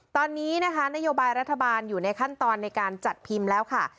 ตอนนี้นะคะนโยบายรัฐบาลอยู่ในขั้นตอนในการจัดพิมพ์แล้วค่ะ